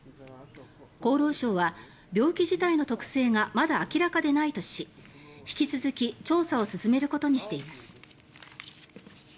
厚労省は、病気自体の特性がまだ明らかでないとし引き続き調査を進めることにしています。